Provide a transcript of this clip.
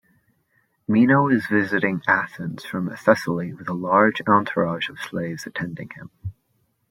Meno is visiting Athens from Thessaly with a large entourage of slaves attending him.